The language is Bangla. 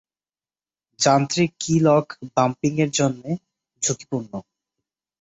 যান্ত্রিক কী লক বাম্পিংয়ের জন্য ঝুঁকিপূর্ণ।